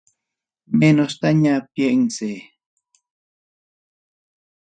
Menostaña piensay.